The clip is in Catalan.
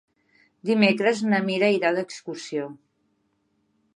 Dimecres na Mira irà d'excursió.